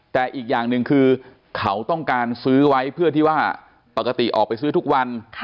แต่อีกอย่างหนึ่งคือเขาต้องการซื้อไว้เพื่อที่ว่าปกติออกไปซื้อทุกวัน